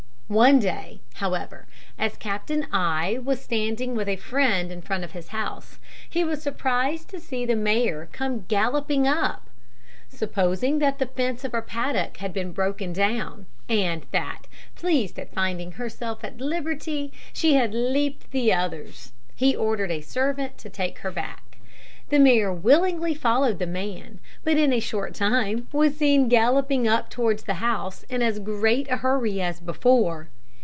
One day, however, as Captain I was standing with a friend in front of his house, he was surprised to see the mare come galloping up. Supposing that the fence of her paddock had been broken down, and that, pleased at finding herself at liberty, she had leaped the others, he ordered a servant to take her back. The mare willingly followed the man; but in a short time was seen galloping up towards the house in as great a hurry as before.